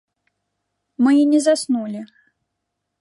Мы і не заснулі.